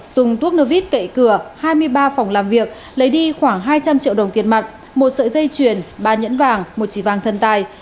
dùng thuốc nô vít cậy cửa hai mươi ba phòng làm việc lấy đi khoảng hai trăm linh triệu đồng tiền mặt một sợi dây chuyền ba nhẫn vàng một chỉ vàng thân tài